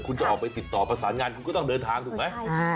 คุณจะออกไปติดต่อประสานงานคุณก็ต้องเดินทางถูกไหม